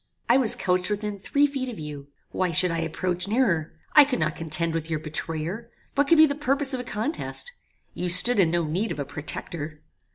I was couched within three feet of you. Why should I approach nearer? I could not contend with your betrayer. What could be the purpose of a contest? You stood in no need of a protector.